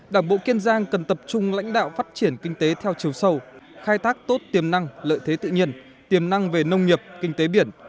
đảng bộ kiên giang cần tập trung lãnh đạo phát triển kinh tế theo chiều sâu khai tác tốt tiềm năng lợi thế tự nhiên tiềm năng về nông nghiệp kinh tế biển